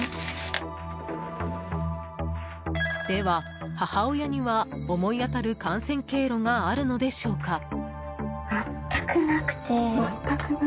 では、母親には思い当たる感染経路があるのでしょうか？